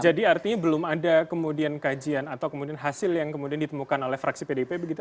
jadi artinya belum ada kemudian kajian atau kemudian hasil yang kemudian ditemukan oleh fraksi pdip begitu